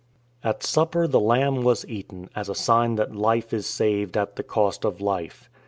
At supper the lamb was eaten as a sign that life is saved at the cost of life.